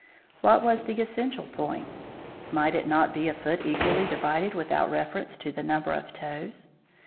What was the essential point? Might it not be a foot equally divided without reference to the number of toes?